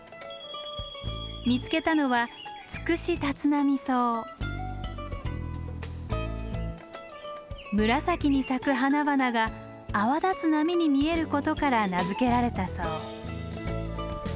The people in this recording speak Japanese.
見つけたのは紫に咲く花々が泡立つ波に見えることから名付けられたそう。